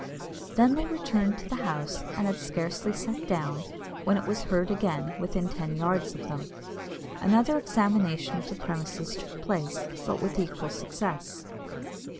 They then returned to the house, and had scarcely sat down, when it was heard again within ten yards of them. Another examination of the premises took place, but with equal success.